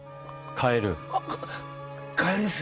カエルです。